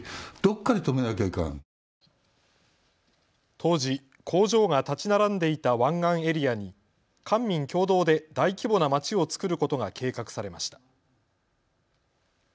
当時、工場が建ち並んでいた湾岸エリアに官民共同で大規模な街を作ることが計画されました。